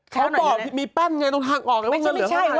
เขาบอกมีปั้นไงต้องห่างออกไง